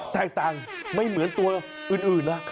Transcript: แตกต่างไม่เหมือนตัวอื่นนะ